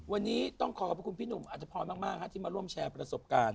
วันนี้ต้องขอขอบคุณพี่หนุ่มอัธพรมากที่มาร่วมแชร์ประสบการณ์